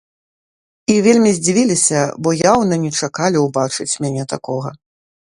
І вельмі здзівіліся, бо яўна не чакалі ўбачыць мяне такога.